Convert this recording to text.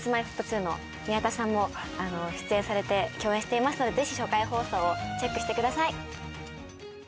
Ｋｉｓ−Ｍｙ−Ｆｔ２の宮田さんも出演されて共演していますのでぜひ初回放送をチェックしてください。